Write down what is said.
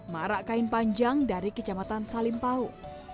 marak kain panjang dari kecamatan salimpau